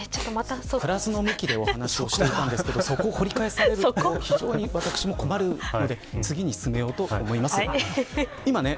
プラスの向きでお話したんですがそこを掘り返されると私も困るので次に進めようと思います。